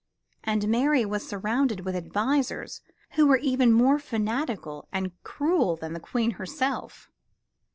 And Mary was surrounded with advisors who were even more fanatical and cruel than the Queen herself.